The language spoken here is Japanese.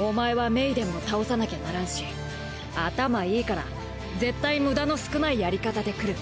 お前はメイデンも倒さなきゃならんし頭いいから絶対無駄の少ないやり方で来る。